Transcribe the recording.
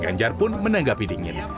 ganjar pun menanggapi dingin